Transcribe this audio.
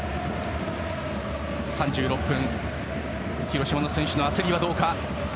広島の選手の焦りはどうか。